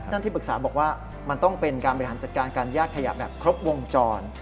ที่ปรึกษาบอกว่ามันต้องเป็นการบริหารจัดการการแยกขยะแบบครบวงจร